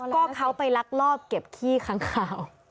ก็เขาไปลักลอบเก็บขี้ค้างคาว